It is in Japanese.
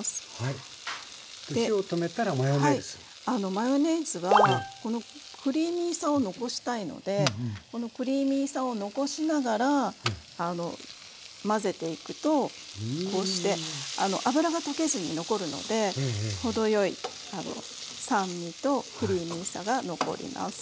マヨネーズはこのクリーミーさを残したいのでこのクリーミーさを残しながら混ぜていくとこうして脂が溶けずに残るのでほどよい酸味とクリーミーさが残ります。